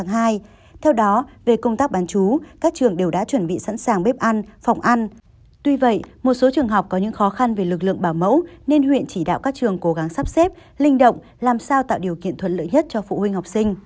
hãy đăng ký kênh để ủng hộ kênh của mình nhé